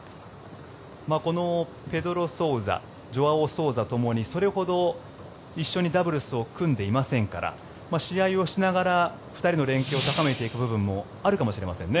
このペドロ・ソウザジョアオ・ソウザともにそれほど一緒にダブルスを組んでいませんから試合をしながら２人の連携を高めていく部分もあるかもしれませんね。